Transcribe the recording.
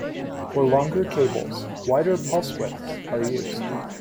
For longer cables, wider pulse widths are used.